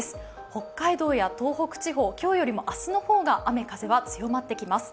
北海道や東北地方、今日よりも明日の方が雨風が強まっていきます。